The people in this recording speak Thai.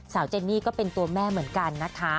เจนนี่ก็เป็นตัวแม่เหมือนกันนะคะ